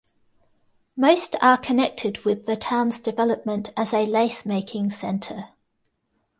Most are connected with the town's development as a lace-making centre.